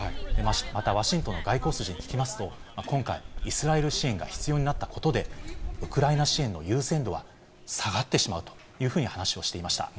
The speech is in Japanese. またワシントンの外交筋に聞きますと、今回、イスラエル支援が必要になったことで、ウクライナ支援の優先度は下がってしまうというふうに話をしていました。